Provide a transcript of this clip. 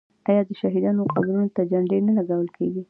آیا د شهیدانو قبرونو ته جنډې نه لګول کیږي؟